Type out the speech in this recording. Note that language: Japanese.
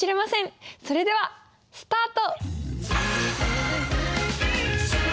それではスタート！